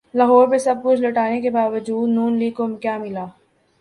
لاہور پہ سب کچھ لٹانے کے باوجود ن لیگ کو کیا ملا؟